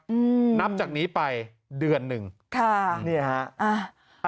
อืมนับจากนี้ไปเดือนหนึ่งค่ะเนี่ยฮะอ่า